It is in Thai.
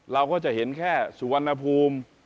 เราก็จะเห็นแค่สุวรรณภูมิ